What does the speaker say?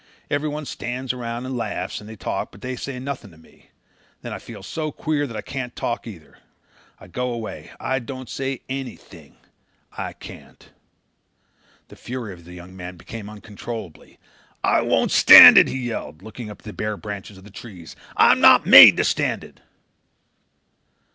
Everyone stands around and laughs and they talk but they say nothing to me. Then I feel so queer that I can't talk either. I go away. I don't say anything. I can't." The fury of the young man became uncontrollable. "I won't stand it," he yelled, looking up at the bare branches of the trees. "I'm not made to stand it."